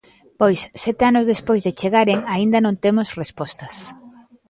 Pois, sete anos despois de chegaren, aínda non temos respostas.